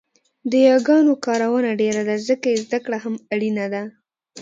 د یاګانو کارونه ډېره ده ځکه يې زده کړه هم اړینه ده